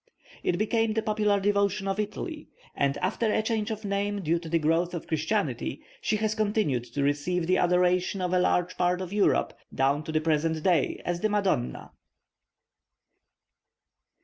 It became the popular devotion of Italy; and, after a change of name due to the growth of Christianity, she has continued to receive the adoration of a large part of Europe down to the present day as the Madonna.